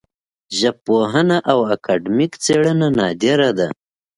ژبپوهنه او اکاډمیک څېړنه نادره ده